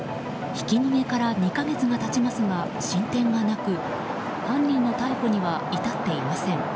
ひき逃げから２か月が経ちますが進展はなく犯人の逮捕には至っていません。